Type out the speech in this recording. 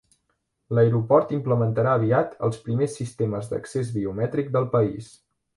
L'aeroport implementarà aviat els primers sistemes d'accés biomètric del país.